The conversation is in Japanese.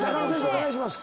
お願いします。